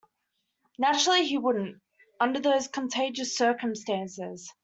Naturally he wouldn't, under those contagious circumstances.